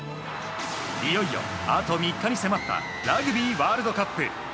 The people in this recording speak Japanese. いよいよ、あと３日に迫ったラグビーワールドカップ。